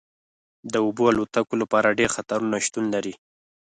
د اوبو الوتکو لپاره ډیر خطرونه شتون لري